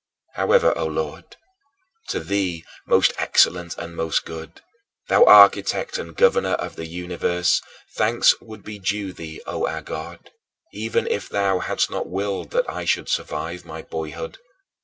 However, O Lord, to thee most excellent and most good, thou Architect and Governor of the universe, thanks would be due thee, O our God, even if thou hadst not willed that I should survive my boyhood.